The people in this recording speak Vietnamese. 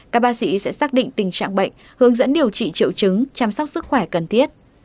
các bác sĩ sẽ xác định tình trạng bệnh hướng dẫn điều trị triệu chứng chăm sóc sức khỏe cần thiết